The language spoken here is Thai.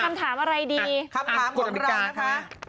คำถามอะไรดีคำถามของเรานะคะ